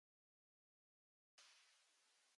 All songs by Keith Richards and Steve Jordan.